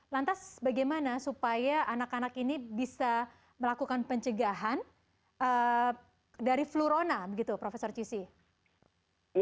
lantas bagaimana supaya anak anak ini bisa melakukan pencegahan dari flu rona gitu profesor cissy